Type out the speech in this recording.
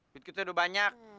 duit kita udah banyak